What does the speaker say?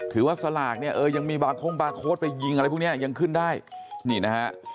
สลากเนี่ยเออยังมีบาร์โค้งบาร์โค้ดไปยิงอะไรพวกนี้ยังขึ้นได้นี่นะฮะ